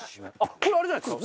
これあれじゃないですか？